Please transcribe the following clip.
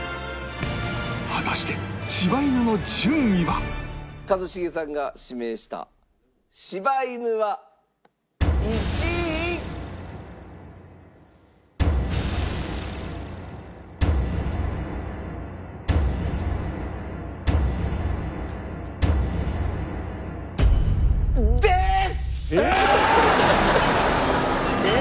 果たして一茂さんが指名した柴犬は１位？です！えっ！？